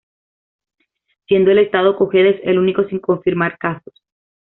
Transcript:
Siendo el Estado Cojedes el único sin confirmar casos.